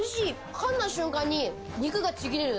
かんだ瞬間に肉がちぎれる。